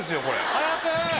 早く！